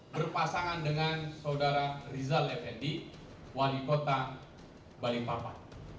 berpasangan dengan saudara rizal effendi wali kota balikpapan